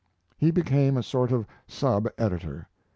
He became a sort of subeditor.